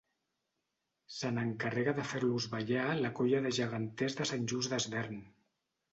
Se n'encarrega de fer-los ballar la Colla de Geganters de Sant Just Desvern.